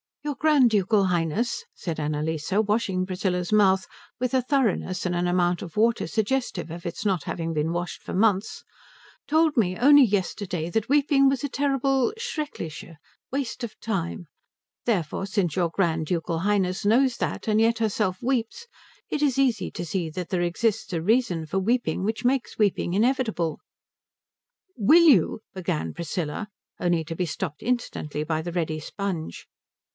"Your Grand Ducal Highness," said Annalise, washing Priscilla's mouth with a thoroughness and an amount of water suggestive of its not having been washed for months, "told me only yesterday that weeping was a terrible schreckliche waste of time. Therefore, since your Grand Ducal Highness knows that and yet herself weeps, it is easy to see that there exists a reason for weeping which makes weeping inevitable." "Will you " began Priscilla, only to be stopped instantly by the ready sponge.